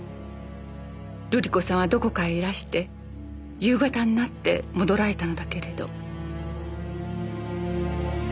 瑠璃子さんはどこかへいらして夕方になって戻られたのだけれど。